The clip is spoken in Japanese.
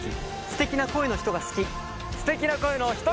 「すてきな声の人が好き」。